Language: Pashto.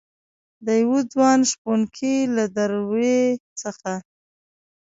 دیوه ځوان شپونکي له دروي څخه